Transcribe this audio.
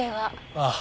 ああ。